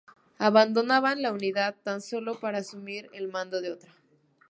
Abandonaban la unidad tan solo para asumir el mando de otra.